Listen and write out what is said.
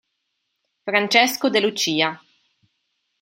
Francesco De Lucia